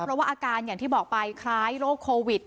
เพราะว่าอาการอย่างที่บอกไปคล้ายโรคโควิด